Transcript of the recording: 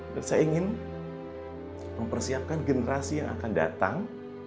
saya ingin mempersiapkan generasi yang akan datang